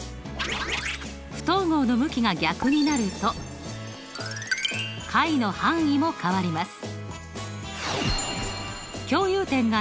不等号の向きが逆になると解の範囲も変わります。